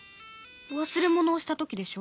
忘れ物をした時でしょ。